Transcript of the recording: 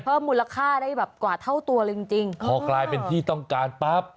เพิ่มมูลค่าได้แบบกว่าเท่าตัวเลยจริงจริงพอกลายเป็นที่ต้องการปั๊บ